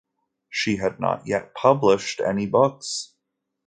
She had not yet published any books.